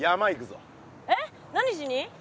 えっ何しに？